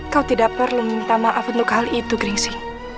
kau tidak perlu meminta maaf untuk hal itu gringsing